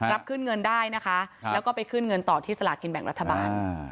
รับขึ้นเงินได้นะคะแล้วก็ไปขึ้นเงินต่อที่สลากินแบ่งรัฐบาล